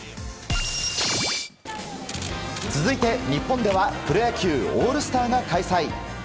続いて、日本ではプロ野球オールスターが開催。